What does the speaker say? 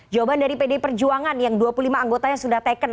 jawaban dari pdi perjuangan yang dua puluh lima anggotanya sudah taken